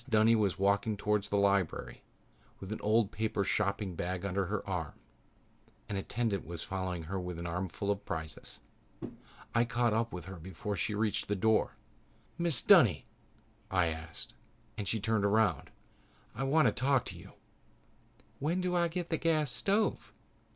Dunny was walking towards the lobby with an old paper shopping bag under her arm. An attendant was following her with an armful of prizes. I caught up with her before she reached the door. "Mrs. Dunny," I said, and she turned around. "I want to talk to you." "When do I get the gas stove?"